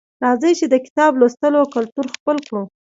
راځئ چې د کتاب لوستلو کلتور خپل کړو